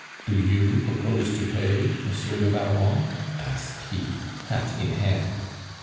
"Do you propose to pay, Monsieur le Baron?" asked he, hat in hand.